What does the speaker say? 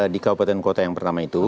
di kabupaten kota yang pertama itu